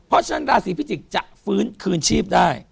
เพราะฉะนั้นราศีพิจิกษ์จะฟื้นคืนชีพได้